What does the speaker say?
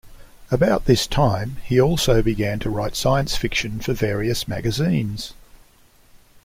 About this time he also began to write science fiction for various magazines.